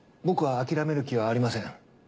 僕は諦める気はありません。